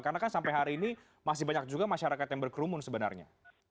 karena kan sampai hari ini masih banyak juga masyarakat yang berkerumun sebenarnya